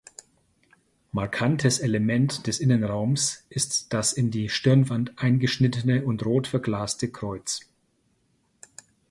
Markantes Element des Innenraums ist das in die Stirnwand eingeschnittene und rot verglaste Kreuz.